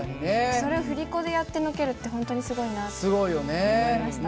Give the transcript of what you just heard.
それを振り子でやってのけるって本当にすごいなって思いました。